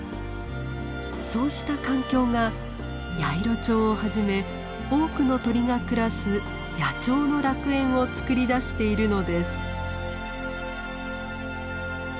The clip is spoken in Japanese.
そうした環境がヤイロチョウをはじめ多くの鳥が暮らす「野鳥の楽園」を作り出しているのです。